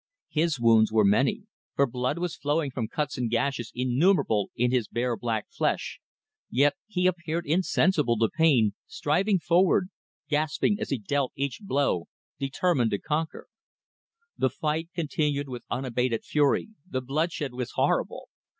His wounds were many, for blood was flowing from cuts and gashes innumerable in his bare black flesh, yet he appeared insensible to pain, striving forward, gasping as he dealt each blow, determined to conquer. The fight continued with unabated fury the bloodshed was horrible.